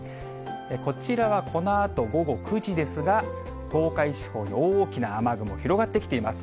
こちらはこのあと午後９時ですが、東海地方に大きな雨雲、広がってきています。